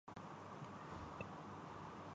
Shoaib Mansoor Pakistani film industry